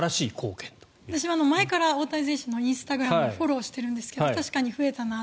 私は前から大谷選手のインスタグラムフォローしているんですが確かに増えたなと。